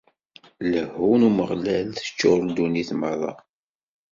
Lehhu n Umeɣlal teččur ddunit merra.